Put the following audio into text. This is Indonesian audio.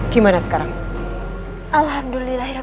dimas duduklah disitu